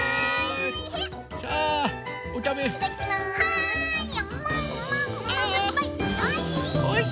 はい！